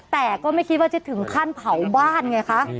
แต่ก็ไม่คิดว่าจะถึงขั้นเผาบ้านไงคะ